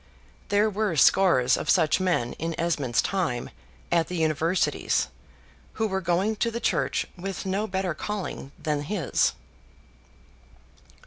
There were scores of such men in Mr. Esmond's time at the universities, who were going to the church with no better calling than his.